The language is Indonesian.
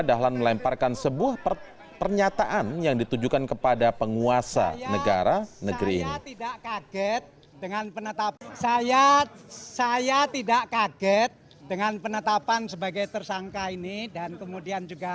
dahlan melemparkan sebuah pernyataan yang ditujukan kepada penguasa negara negeri ini